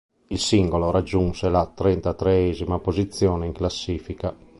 Il singolo raggiunse la trentatreesima posizione in classifica..